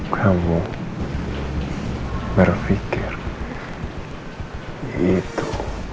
kamu berpikir itu